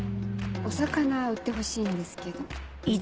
お魚売ってほしいんですけど。